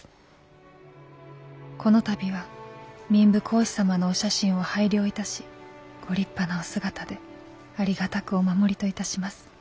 この度は民部公子様のお写真を拝領いたしご立派なお姿でありがたくお守りといたします。